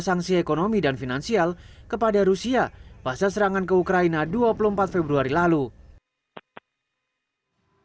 selain itu juga akan dikirim tujuh senjata ringan lain yang meliputi senapan mesin maupun peluncur granat